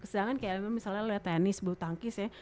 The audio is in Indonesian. sedangkan kayak misalnya lo liat tenis belutangkis ya